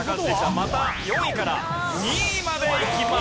また４位から２位までいきます。